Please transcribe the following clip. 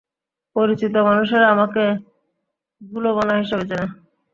পরিচিত মানুষেরা আমাকে ভুলোমনা হিসেবে চেনে।